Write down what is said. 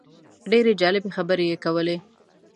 ډېرې جالبې خبرې یې کولې.